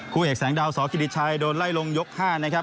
คู่เอกแสงดาวสกิริชัยโดนไล่ลงยก๕นะครับ